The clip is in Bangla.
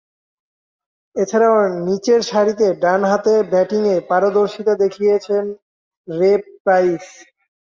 এছাড়াও, নিচেরসারিতে ডানহাতে ব্যাটিংয়ে পারদর্শীতা দেখিয়েছেন রে প্রাইস।